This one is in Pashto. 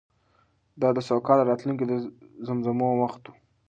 دا د سوکاله راتلونکې د زمزمو وخت و.